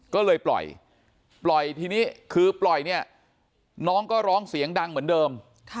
ก็เลยปล่อยปล่อยทีนี้คือปล่อยเนี่ยน้องก็ร้องเสียงดังเหมือนเดิม